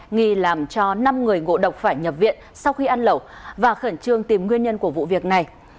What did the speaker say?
nghi làm cho năm người ngộ độc phải nhập viện sau khi ăn lẩu và khẩn trương tìm nguyên nhân của vụ việc này